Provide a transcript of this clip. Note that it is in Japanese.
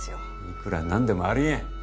いくら何でもありえん